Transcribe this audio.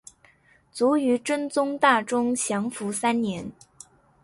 卒于真宗大中祥符三年。